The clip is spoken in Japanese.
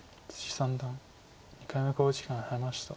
三段２回目の考慮時間に入りました。